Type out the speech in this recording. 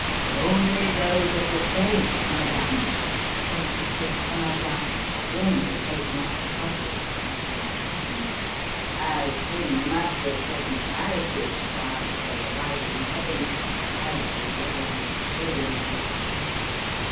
"Only those of the saints, Madame," said Monsieur Fromagin, warmly taking up the cudgels for his best customer, "as in the matter of second marriages, prior to their arrival in heaven, have had regrettable experiences.